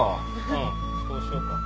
うんそうしようか。